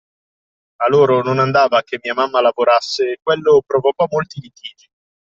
A loro non andava che mia mamma lavorasse e quello provocò molti litigi.